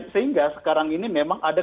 sehingga sekarang ini memang ada